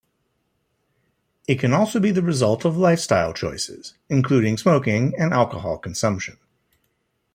It can also be the result of lifestyle choices including smoking and alcohol consumption.